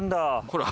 ほら。